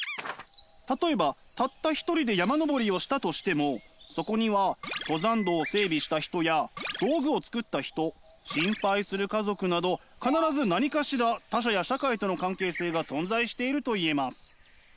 例えばたった一人で山登りをしたとしてもそこには登山道を整備した人や道具を作った人心配する家族など必ず何かしら他者や社会との関係性が存在しているといえます。